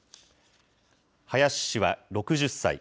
林氏は６０歳。